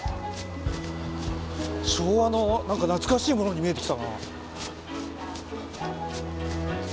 昭和の何か懐かしいものに見えてきたな。